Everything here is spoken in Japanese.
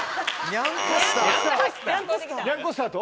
にゃんこスターと？